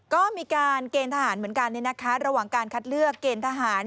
ก็มีการเกณฑ์ทหารเหมือนกันระหว่างการคัดเลือกเกณฑ์ทหาร